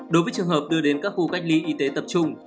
đối với trường hợp đưa đến các khu cách ly y tế tập trung